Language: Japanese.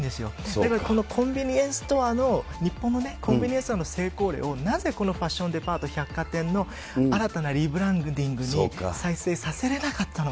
だからコンビニエンスストアの日本のね、コンビニエンスストアの成功例をなぜこのファッションデパート、百貨店の新たなリブランディングに再生させれなかったのか。